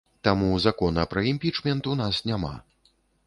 Таму закона пра імпічмент у нас няма.